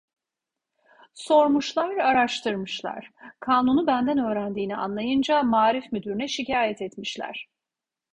Sormuşlar, araştırmışlar, kanunu benden öğrendiğini anlayınca maarif müdürüne şikayet etmişler.